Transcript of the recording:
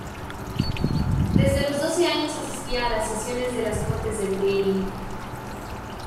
Desde los doce años asistía a las sesiones de las Cortes del Trienio.